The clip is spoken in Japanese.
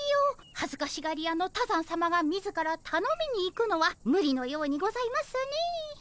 はずかしがり屋の多山さまが自らたのみに行くのはむりのようにございますね。